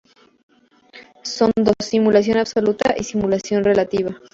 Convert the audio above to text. Son dos: "simulación absoluta" y "simulación relativa".